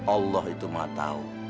allah itu mau tau